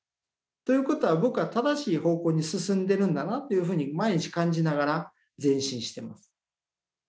ということは僕は正しい方向に進んでるんだなというふうに毎日感じながら前進してます。